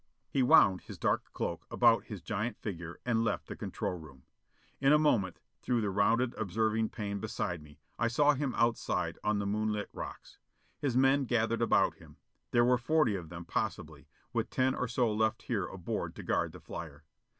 He wound his dark cloak about his giant figure and left the control room. In a moment, through the rounded observing pane beside me, I saw him outside on the moonlit rocks. His men gathered about him. There were forty of them, possibly, with ten or so left here aboard to guard the flyer.